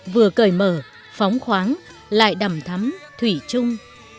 vừa cởi mở phóng khoáng lại đầm thắm thủy chung